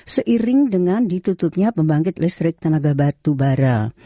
seiring dengan ditutupnya pembangkit listrik tenaga batu bara